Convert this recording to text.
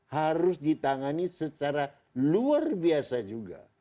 harus ditangani secara luar biasa juga